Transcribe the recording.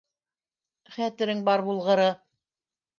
Хәтерең бар булғыры...